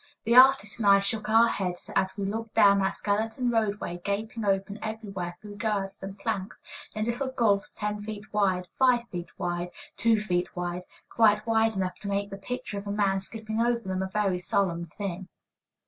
The artist and I shook our heads as we looked down that skeleton roadway, gaping open everywhere between girders and planks, in little gulfs, ten feet wide, five feet wide, two feet wide, quite wide enough to make the picture of a man skipping over them a very solemn thing.